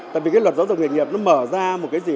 tại vì cái luật giáo dục nghề nghiệp nó mở ra một cái gì